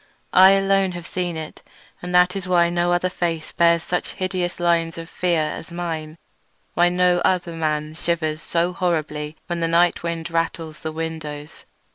I alone have seen it, and that is why no other face bears such hideous lines of fear as mine; why no other man shivers so horribly when the night wind rattles the windows.